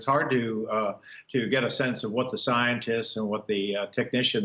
saya menganggap ini sebuah kegagalan